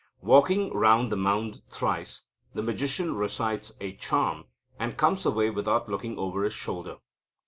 Walking round the mound thrice, the magician recites a charm, and comes away without looking over his shoulder.